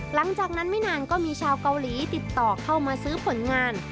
หลังจากนั้นไม่นานก็มีชาวเกาหลีติดต่อเข้ามาซื้อผลงาน